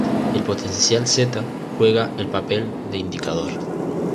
El potencial Zeta juega el papel de indicador.